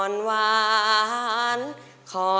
สวัสดีครับ